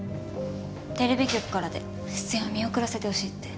テレビ局からで出演は見送らせてほしいって。